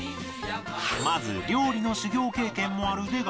まず料理の修業経験もある出川